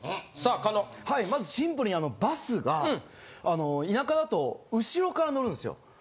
さあ、まず、シンプルにバスが、田舎だと後ろから乗るんですよ。